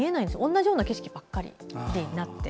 同じような景色ばかりになって。